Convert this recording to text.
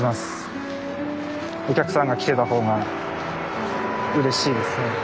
お客さんが来てた方がうれしいですね。